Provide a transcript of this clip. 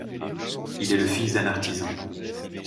Il est le fils d'un artisan.